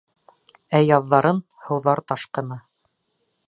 Ә яҙҙарын — һыуҙар ташҡыны...